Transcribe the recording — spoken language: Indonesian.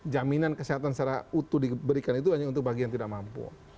jaminan kesehatan secara utuh diberikan itu hanya untuk bagi yang tidak mampu